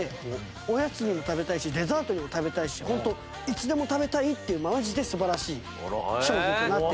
おやつにも食べたいしデザートにも食べたいしホントいつでも食べたいっていうマジで素晴らしい商品となっております。